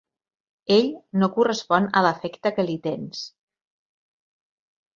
Ell no correspon a l'afecte que li tens.